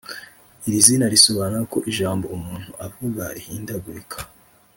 Iri zina risobanura ko ijambo umuntu avuga rihindagurika